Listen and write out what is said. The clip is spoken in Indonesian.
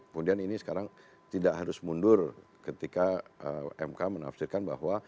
kemudian ini sekarang tidak harus mundur ketika mk menafsirkan bahwa